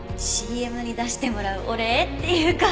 ＣＭに出してもらうお礼っていうか。